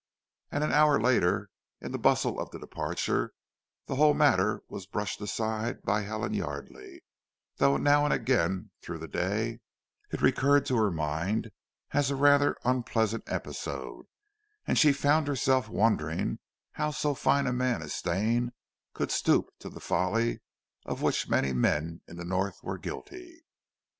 And an hour later, in the bustle of the departure, the whole matter was brushed aside by Helen Yardely, though now and again through the day, it recurred to her mind as a rather unpleasant episode; and she found herself wondering how so fine a man as Stane could stoop to the folly of which many men in the North were guilty.